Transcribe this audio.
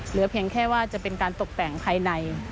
เหลือเพียงแค่ว่าจะเป็นการตกแต่งภายใน